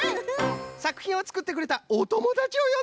さくひんをつくってくれたおともだちをよんでみようかの！